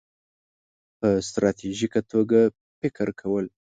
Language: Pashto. -په ستراتیژیکه توګه فکر کول